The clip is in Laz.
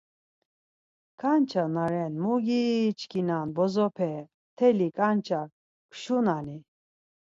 Kança na ren mugiiiiçkinan bozooope, mtelli kança kşunani?